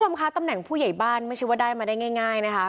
คุณผู้ชมคะตำแหน่งผู้ใหญ่บ้านไม่ใช่ว่าได้มาได้ง่ายนะคะ